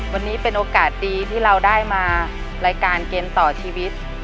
วันนี้เป็นโอกาสดีที่เราได้มารายการเกมต่อชีวิต